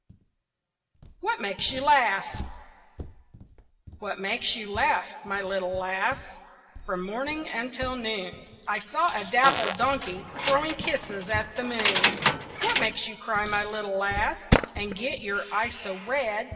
WHAT MAKES YOU LAUGH? "What makes you laugh, my little lass, From morning until noon?" "I saw a dappled donkey Throwing kisses at the moon." "What makes you cry, my little lass, And get your eyes so red?"